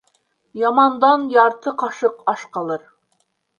Ямандан ярты ҡашыҡ аш ҡалыр.